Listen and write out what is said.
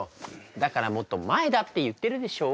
だからもっと前だって言ってるでしょう。